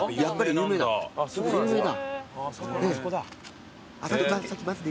有名店だ。